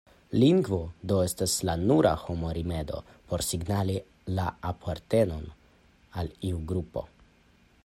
Lingvo do estas la nura homa rimedo por signali la apartenon al iu grupo.